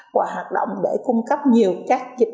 và hoạt động để cung cấp nhiều các dịch